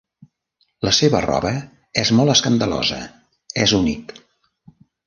La seva roba és molt escandalosa. És únic.